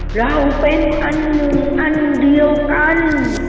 เราเป็นอันเดียวกัน